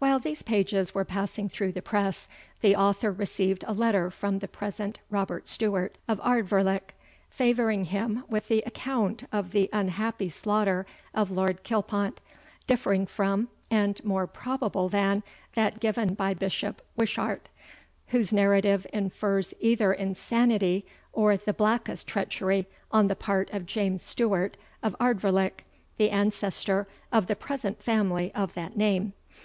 While these pages were passing through the press, the author received a letter from the present Robert Stewart of Ardvoirlich, favouring him with the account of the unhappy slaughter of Lord Kilpont, differing from, and more probable than, that given by Bishop Wishart, whose narrative infers either insanity or the blackest treachery on the part of James Stewart of Ardvoirlich, the ancestor of the present family of that name.